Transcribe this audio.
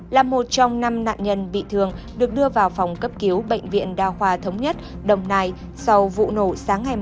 là một trong năm nạn nhân bị thương được đưa vào phòng cấp cứu bệnh viện đa khoa thống nhất đồng nai sau vụ nổ sáng ngày